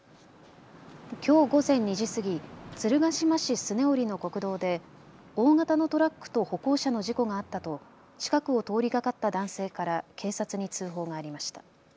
きょう午前２時過ぎ鶴ヶ島市脚折の国道で大型のトラックと歩行者の事故があったと近くを通りがかった男性から警察に通報がありました。